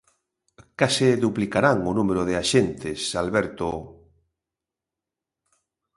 Case duplicarán o número de axentes, Alberto...